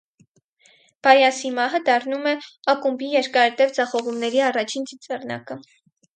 Բայասի մահը դառնում է ակումբի երկարատև ձախողումների առաջին ծիծեռնակը։